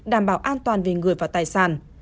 đảm bảo an toàn về người và tài sản